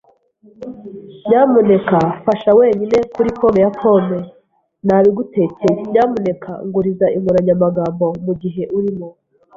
Nyamuneka fasha wenyine kuri pome ya pome. Nabigutekeye. Nyamuneka nguriza inkoranyamagambo mugihe urimo.